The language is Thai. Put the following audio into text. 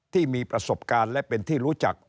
ที่มีประสบการณ์และเป็นที่รู้จัก